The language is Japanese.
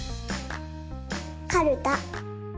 かるた。